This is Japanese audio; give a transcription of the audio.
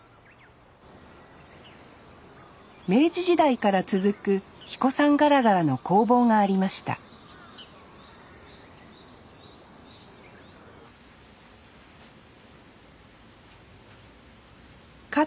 明治時代から続く英彦山がらがらの工房がありましたか